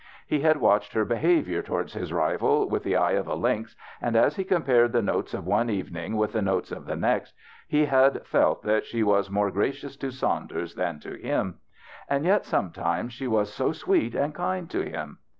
He had watched her behavior toward his rival with the eye of a lynx, and as he comi3ared the notes of one evening with the notes of the next he had felt that she was more gracious to Saunders than to him. And yet sometimes she was so sweet and kind to him.